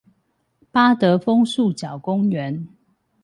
八德楓樹腳公園